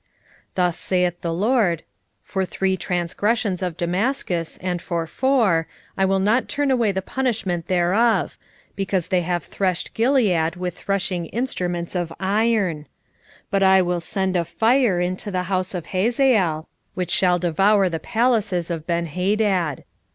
1:3 Thus saith the LORD; For three transgressions of Damascus, and for four, I will not turn away the punishment thereof; because they have threshed Gilead with threshing instruments of iron: 1:4 But I will send a fire into the house of Hazael, which shall devour the palaces of Benhadad.